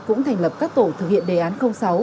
cũng thành lập các tổ thực hiện đề án sáu